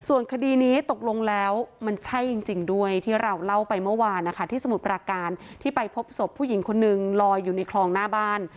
ส่วนคดีนี้ตกลงแล้วมันใช่จริงด้วยที่เราเล่าไปเมื่อวานนะคะที่สมุทรปราการที่ไปพบศพผู้หญิงคนนึงลอยอยู่ในคลองหน้าบ้าน